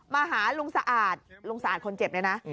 มาหาลุงสะอาดลุงสะอาดคนเจ็บเนี่ยนะ